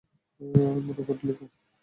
নতুন করে লিখো।